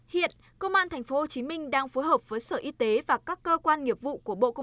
hiện công an tp hcm đang phối hợp với sở y tế và các cơ quan nghiệp vụ của bộ công an